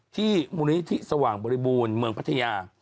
ที่มูลนิธิสว่างบริบูรณ์เมืองพัทยา